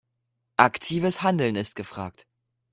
Aktives Handeln ist gefragt.